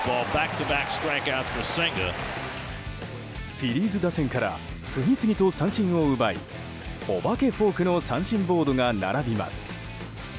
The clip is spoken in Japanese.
フィリーズ打線から次々と三振を奪いお化けフォークの三振ボードが並びます。